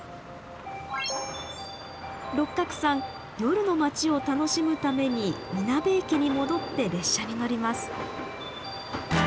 六角さん夜の町を楽しむために南部駅に戻って列車に乗ります。